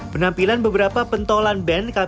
penampilan beberapa pentolan band kabinet indonesia maju